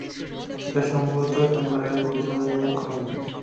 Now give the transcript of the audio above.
এটা সম্ভবত এম্বারের পুরানো খনি।